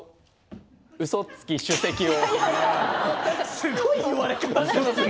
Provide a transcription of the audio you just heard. すごい言われ方してますね。